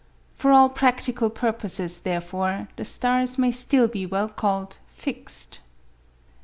For all practical purposes, therefore, the stars may still be well called fixed.